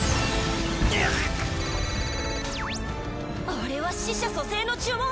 あれは死者蘇生の呪文！